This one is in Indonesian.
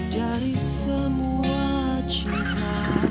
dari semua cinta